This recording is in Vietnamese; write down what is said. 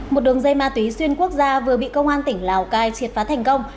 một đường dây ma túy xuyên quốc gia vừa bị công an tỉnh lào cai triệt phá thành công